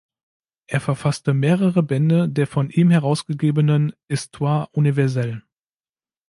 Er verfasste mehrere Bände der von ihm herausgegebenen "Histoire universelle".